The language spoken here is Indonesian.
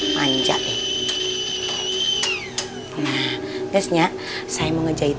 mbak wel mbak bel iya ini gak mengerikan